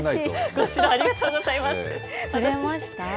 ご指導、ありがとうございました。